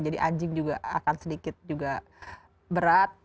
jadi anjing juga akan sedikit juga berat